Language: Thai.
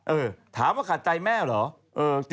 เออถามว่าขาดใจแม่เหรอ